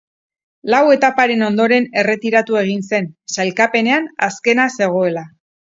Lau etaparen ondoren erretiratu egin zen, sailkapenean azkena zegoela.